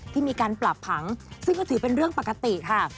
ที่มีการปรับผังซึ่งก็ถือเป็นเรื่องปกติค่ะ